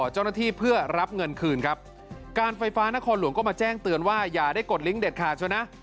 แจ้งเตือนว่าอย่าได้กดลิ้งค์เด็ดขาดใช่ไหมนะ